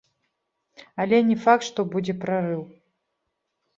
Але не факт, што будзе прарыў.